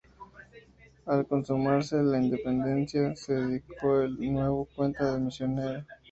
Al consumarse la independencia se dedicó de nueva cuenta al ministerio.